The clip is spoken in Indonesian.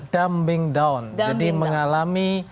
dumping down jadi mengalami